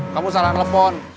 kamu salah nelfon